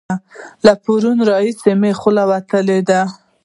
له پرونه راهسې مې خوله وتلې ده.